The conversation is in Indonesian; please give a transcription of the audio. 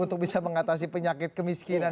untuk bisa mengatasi penyakit kemiskinan